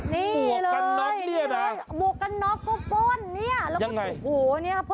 นี่เลยนี่เลยหมวกกันน๊อบก็ป้นเนี่ยแล้วก็โอ้โหเนี่ยครับ